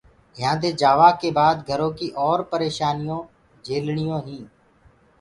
يهآنٚدي جآوآ ڪي بآد گھرو ڪيٚ اور پريشآنيٚون جھيلڻينٚ